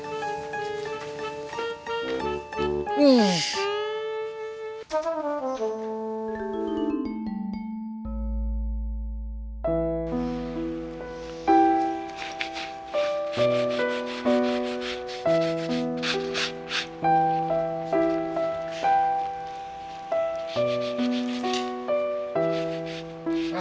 nanti aku akan bawa